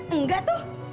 hah nggak tuh